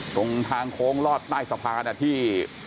ตรงทางโค้งลอดใต้สะพานที่